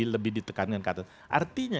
lebih ditekan artinya